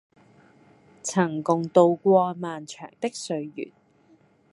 曾共渡過漫長的歲月